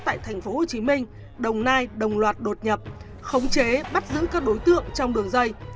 tại tp hcm đồng nai đồng loạt đột nhập khống chế bắt giữ các đối tượng trong đường dây